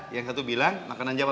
yang satu bilang makanan jawa